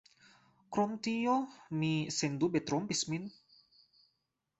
Krom tio, mi sendube trompis min.